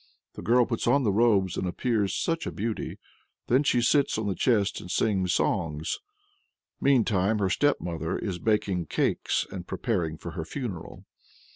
The girl puts on the robes, and appears "such a beauty!" Then she sits on the chest and sings songs. Meantime her stepmother is baking cakes and preparing for her funeral.